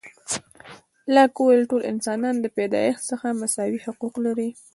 لاک وویل، ټول انسانان د پیدایښت څخه مساوي حقوق لري.